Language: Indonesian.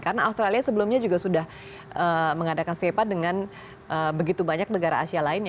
karena australia sebelumnya juga sudah mengadakan sepa dengan begitu banyak negara asia lain ya